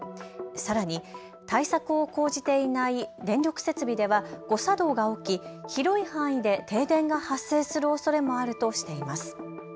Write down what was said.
さらに対策を講じていない電力設備では誤作動が起き広い範囲で停電が発生するおそれもあるとしています。